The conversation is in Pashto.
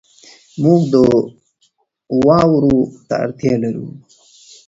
موږ دواړو ته اړتيا لرو.